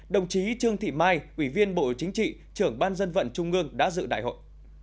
đồng chí trương thị mai ủy viên bộ chính trị trưởng ban dân vận trung ương đã dự đại hội